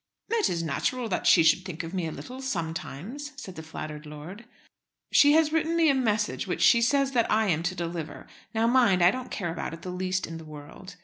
"It is natural that she should think of me a little sometimes," said the flattered lord. "She has written me a message which she says that I am to deliver. Now mind, I don't care about it the least in the world."